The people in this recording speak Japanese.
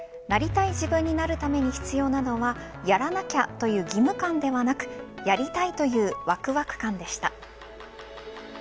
なりたい自分になるために必要なのはやらなきゃという義務感ではなくやりたいというわくわく感でした。